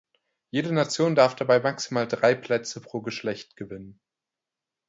Jede Nation darf dabei maximal drei Plätze pro Geschlecht gewinnen.